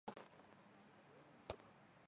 北周改名石城郡。